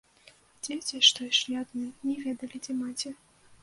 Дзеці, што ішлі адны, не ведалі, дзе маці.